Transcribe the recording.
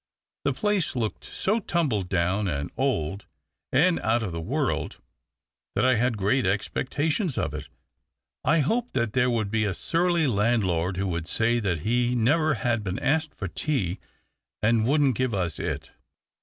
The place looked so tumble down and old, and out of the world, that I had great expectations of it. I hoped that there would be a surly landlord who would say that he never had been asked for tea and wouldn't give us it.